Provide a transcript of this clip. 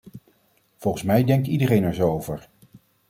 Volgens mij denkt iedereen er zo over.